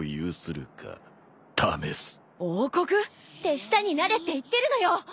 手下になれって言ってるのよ。